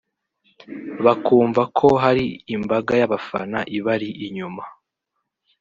bakumva ko hari imbaga y’abafana ibari inyuma